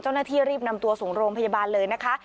เจ้าหน้าที่รีบนำตัวส่งโรงพยาบาลเลยนะคะ